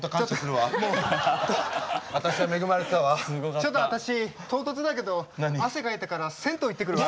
ちょっと私唐突だけど汗かいたから銭湯行ってくるわ。